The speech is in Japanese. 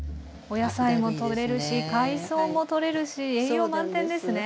お野菜もとれるし海藻もとれるし栄養満点ですね。